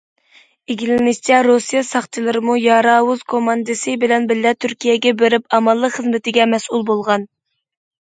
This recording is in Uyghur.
ئىگىلىنىشىچە، رۇسىيە ساقچىلىرىمۇ« پاراۋۇز» كوماندىسى بىلەن بىللە تۈركىيەگە بېرىپ ئامانلىق خىزمىتىگە مەسئۇل بولغان.